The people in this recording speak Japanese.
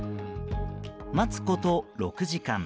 待つこと６時間。